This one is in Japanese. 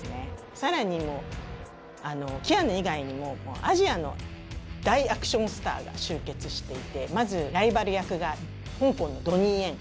更に、キアヌ以外にもアジアの大アクションスターが集結していてまず、ライバル役が香港のドニー・イェン。